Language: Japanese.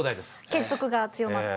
結束が強まって。